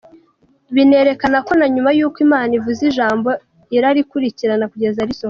Binerekana ko na nyuma y’uko Imana ivuze ijambo irarikurikirana kugeza risohoye.